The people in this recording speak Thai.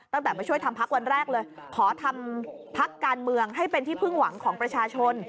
มาช่วยทำพักวันแรกเลยขอทำพักการเมืองให้เป็นที่พึ่งหวังของประชาชน